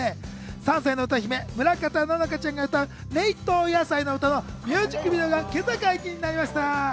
３歳の歌姫・村方乃々佳ちゃんが歌う『れいとうやさいのうた』のミュージックビデオが今朝解禁になりました。